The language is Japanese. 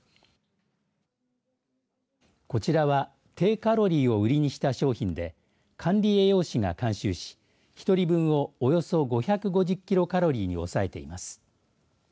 こちらは低カロリーを売りにした商品で管理栄養士が監修し１人分をおよそ５５０キロカロリーに抑えています。